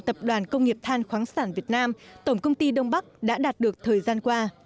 tập đoàn công nghiệp than khoáng sản việt nam tổng công ty đông bắc đã đạt được thời gian qua